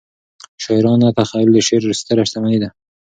شاعرانه تخیل د شعر ستره شتمنۍ ده.